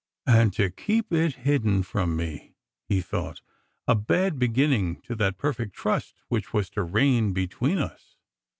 " And to keep it hidden from me," he thought ;" 2 bad be ginning for that perfect trust which was to reign between us."